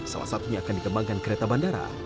salah satunya akan dikembangkan kereta bandara